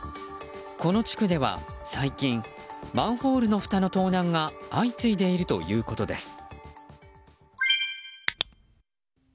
この地区では最近マンホールのふたの盗難が相次いでいるということです。